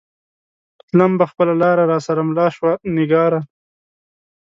تلم به خپله لار را سره مله شوه نگارا